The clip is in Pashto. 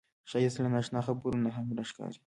ښایست له نا اشنا خبرو نه هم راښکاري